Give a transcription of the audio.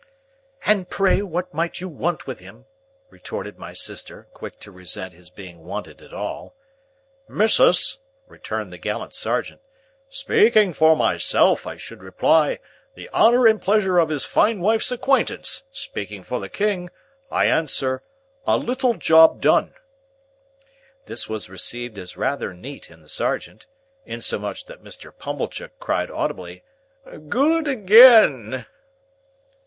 "And pray what might you want with him?" retorted my sister, quick to resent his being wanted at all. "Missis," returned the gallant sergeant, "speaking for myself, I should reply, the honour and pleasure of his fine wife's acquaintance; speaking for the king, I answer, a little job done." This was received as rather neat in the sergeant; insomuch that Mr. Pumblechook cried audibly, "Good again!"